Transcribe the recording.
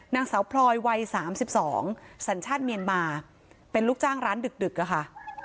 นางสาวพลอยวัย๓๒สัญชาติเมียนมาเป็นลูกจ้างร้านดึกอะค่ะ